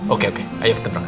oke oke ayo kita berangkat